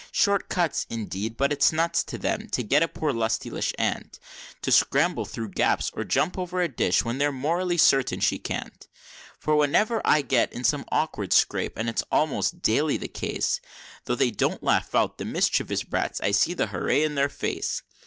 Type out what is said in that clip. Short cuts, indeed! But it's nuts to them, to get a poor lustyish aunt To scramble through gaps or jump over a ditch, when they're morally certain she can't, For whenever I get in some awkward scrape, and it's almost daily the case, Tho' they don't laugh out, the mischievous brats, I see the hooray! in their face.